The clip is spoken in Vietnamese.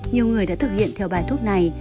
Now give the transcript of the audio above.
nhiều người đã thực hiện theo bài thuốc này